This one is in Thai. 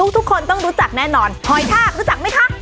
ทุกคนต้องรู้จักแน่นอนหอยทากรู้จักไหมคะ